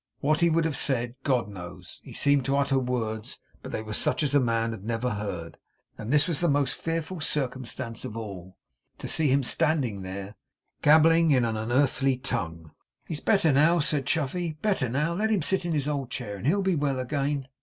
What he would have said, God knows. He seemed to utter words, but they were such as man had never heard. And this was the most fearful circumstance of all, to see him standing there, gabbling in an unearthly tongue. 'He's better now,' said Chuffey. 'Better now. Let him sit in his old chair, and he'll be well again.